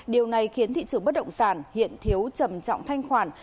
điều này khiến thị trường bất động sản hiện thiếu trầm trọng thanh khoản